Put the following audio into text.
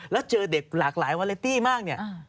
แล้วเจอเด็กหลากหลายวาเลตี้มากเนี่ย